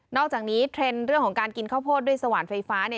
อกจากนี้เทรนด์เรื่องของการกินข้าวโพดด้วยสว่านไฟฟ้าเนี่ย